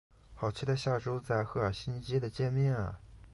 好期待下周在赫尔辛基的见面啊